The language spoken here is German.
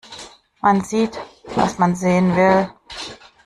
Man sieht, was man sehen will.